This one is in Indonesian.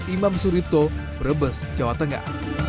imam suripto brebes jawa tengah